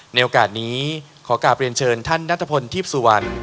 โอกาสนี้ขอกลับเรียนเชิญท่านนัทพลทีพสุวรรณ